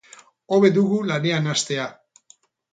Hobe dugu lanean hastea.